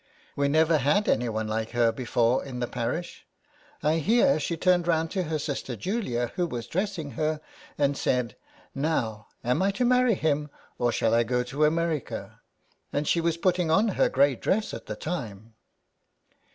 '' We never had anyone like her before in the parish. I hear she turned round to her sister Julia, who was dressing her, and said, ' Now am I to marry him, or shall I go to America?' And she was putting on her grey dress at the time."